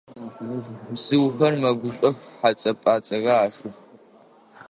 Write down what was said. Бзыухэр мэгушӏох, хьэцӏэ-пӏацӏэхэр ашхых.